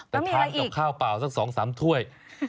แต่ทานกับข้าวเปล่าสัก๒๓ถ้วย